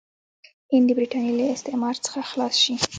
هند د برټانیې له استعمار څخه خلاص شي.